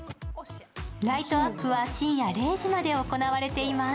ライトアップは深夜０時まで行われています。